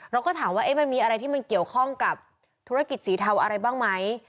เราก็ถามว่ามันมีอะไรที่มันเกี่ยวข้องกับธุรกิจสีเทาอะไรบ้างไหม